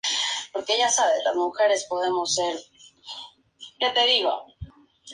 Pasa por Tabernes Blanques, población que está en la margen derecha.